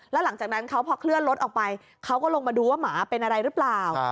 แล้วหลังจากนั้นเขาพอเคลื่อนรถออกไปเขาก็ลงมาดูว่าหมาเป็นอะไรหรือเปล่า